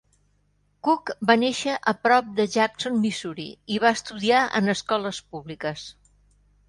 Cook va créixer a prop de Jackson, Missouri, i va estudiar en escoles públiques.